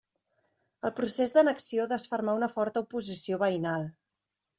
El procés d'annexió desfermà una forta oposició veïnal.